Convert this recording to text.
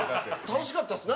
楽しかったです。